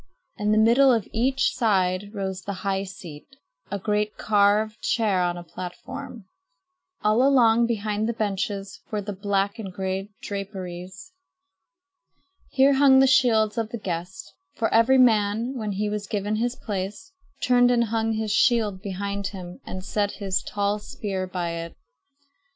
In the middle of each side rose the high seat, a great carved chair on a platform. All along behind the benches were the black and gray draperies. Here hung the shields of the guests; for every man, when he was given his place, turned and hung his shield behind him and set his tall spear by it.